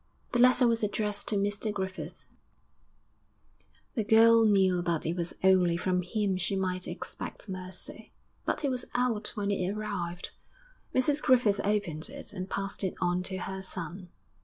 The letter was addressed to Mr Griffith; the girl knew that it was only from him she might expect mercy; but he was out when it arrived. Mrs Griffith opened it, and passed it on to her son.